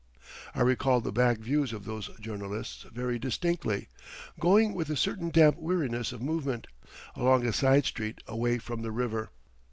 I recall the back views of those journalists very distinctly, going with a certain damp weariness of movement, along a side street away from the river.